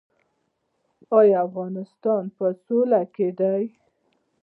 آیا افغانستان په سوله کې دی؟